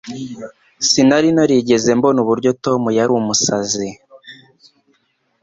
Sinari narigeze mbona uburyo Tom yari umusazi